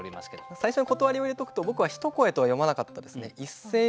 最初に断りを入れておくと僕は「ひとこえ」とは読まなかったですね。